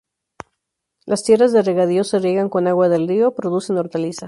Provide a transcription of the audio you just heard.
Las tierras de regadío se riegan con agua del río; producen hortalizas.